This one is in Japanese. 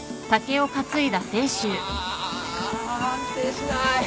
ああ安定しない！